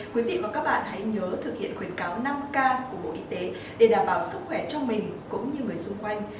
quý vị và các bạn hãy nhớ thực hiện khuyến cáo năm k của bộ y tế để đảm bảo sức khỏe cho mình cũng như người xung quanh